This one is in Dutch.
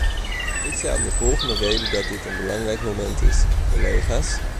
Ik zei om de volgende reden dat dit een belangrijk moment is, collega's.